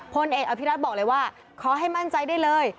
พลเอกอภิรัตบอกเลยว่าขอให้มั่นใจได้เลย